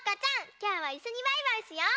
きょうはいっしょにバイバイしよう！